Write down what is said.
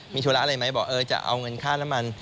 มีธุระอะไรไหมบอกเออจะเอาเงินค่าน้ำมัน